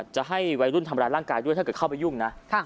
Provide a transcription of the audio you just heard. จะให้วัยรุ่นทำร้ายร่างกายด้วยถ้าเกิดเข้าไปยุ่งนะ